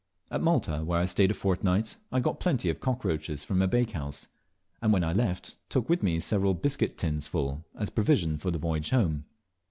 At Malta, where I stayed a fortnight, I got plenty of cockroaches from a bake house, and when I left, took with me several biscuit tins' full, as provision for the voyage home.